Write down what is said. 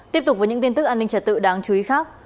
tiếp tục với những tin tức an ninh trật tự đáng chú ý khác